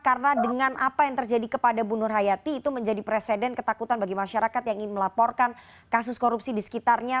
karena dengan apa yang terjadi kepada bu nur hayatin itu menjadi presiden ketakutan bagi masyarakat yang ingin melaporkan kasus korupsi di sekitarnya